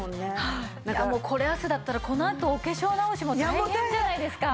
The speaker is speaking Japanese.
いやもうこれ汗だったらこのあとお化粧直しも大変じゃないですか。